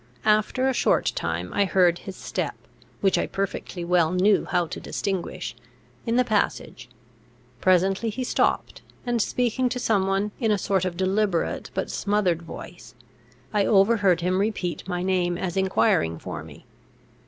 After a short time I heard his step, which I perfectly well knew how to distinguish, in the passage. Presently he stopped, and, speaking to some one in a sort of deliberate, but smothered voice, I overheard him repeat my name as enquiring for me.